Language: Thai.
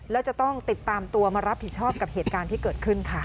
แล้วจะต้องติดตามตัวมารับผิดชอบกับเหตุการณ์ที่เกิดขึ้นค่ะ